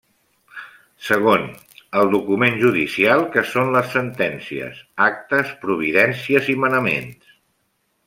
Segon, el document judicial, que són les sentències, actes, providències i manaments.